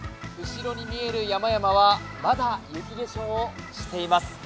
後ろに見える山々はまだ雪化粧をしています。